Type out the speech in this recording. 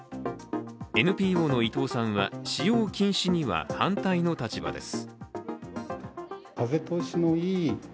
ＮＰＯの伊藤さんは使用禁止には反対の立場です。